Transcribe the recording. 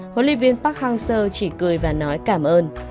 huấn luyện viên park hang seo chỉ cười và nói cảm ơn